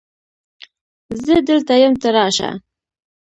زه دلته یم ته راشه